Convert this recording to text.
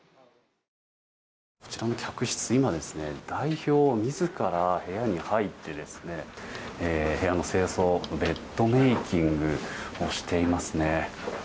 こちらの客室、今ですね代表自ら、部屋に入って部屋の清掃ベッドメイキングをしています。